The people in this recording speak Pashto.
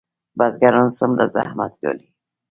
بزګران څومره زحمت ګالي؟